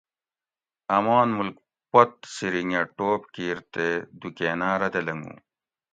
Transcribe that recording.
آمان ملک پت سرنگہ ٹوپ کیر تے دُکیناں ردہ لنگو